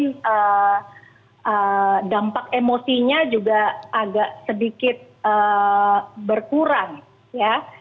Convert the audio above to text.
dapat dimaklumi bahwa dampak emosinya juga agak sedikit berkurang ya